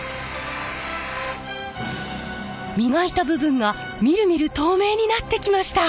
磨いた部分がみるみる透明になってきました。